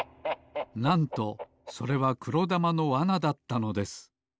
なんとそれはくろだまのわなだったのです。